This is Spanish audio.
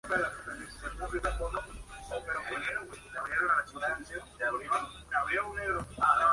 Ha sido registrado como vagabundo en Heligoland, Alemania.